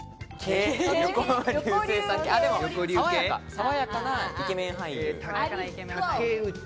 爽やかなイケメン俳優。